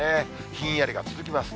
ひんやりが続きます。